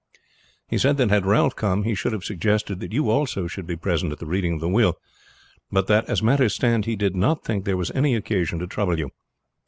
"He said that had Ralph come he should have suggested that you also should be present at the reading of the will, but that as matters stand he did not think there was any occasion to trouble you.